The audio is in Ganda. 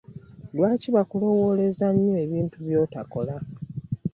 Lwaki bakulowoleza nnyo ebintu by'otakola?